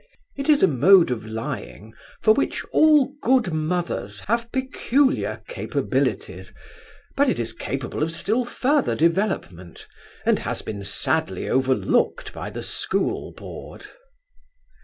It is a mode of lying for which all good mothers have peculiar capabilities, but it is capable of still further development, and has been sadly overlooked by the School Board.